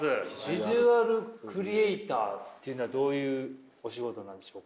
ビジュアルクリエイターっていうのはどういうお仕事なんでしょうか？